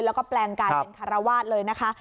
แล้วก็แปลงกายเป็นคารวาสเลยนะคะ